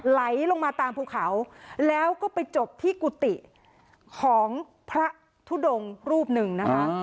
ไหลลงมาตามภูเขาแล้วก็ไปจบที่กุฏิของพระทุดงรูปหนึ่งนะคะ